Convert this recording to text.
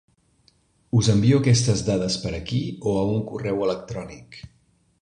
Us envio aquestes dades per aquí o a un correu electrònic?